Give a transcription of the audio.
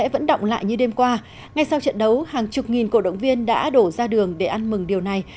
vẫn động lại như đêm qua ngay sau trận đấu hàng chục nghìn cổ động viên đã đổ ra đường để ăn mừng điều này